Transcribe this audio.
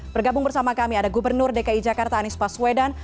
bergabung bersama kami ada gubernur dki jakarta anies baswedan